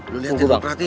lo liat jangan terhati